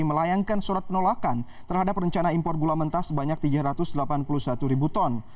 melayangkan surat penolakan terhadap rencana impor gula mentah sebanyak tiga ratus delapan puluh satu ribu ton